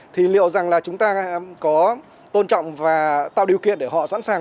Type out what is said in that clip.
thì liệu rằng là chúng ta có tôn trọng và tạo điều kiện để họ sẵn sàng